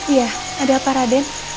iya ada apa raden